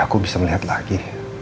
aku bisa melihat lagi